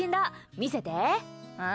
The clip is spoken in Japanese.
見せて。